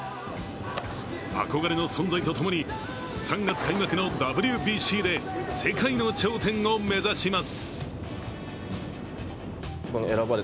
憧れの存在とともに３月開幕のＷＢＣて世界の頂点を目指します。